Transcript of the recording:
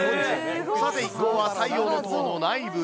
さて、一行は太陽の塔の内部へ。